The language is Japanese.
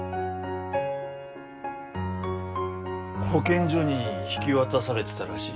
保健所に引き渡されてたらしい